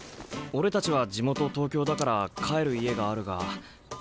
俺たちは地元東京だから帰る家があるが葦人は。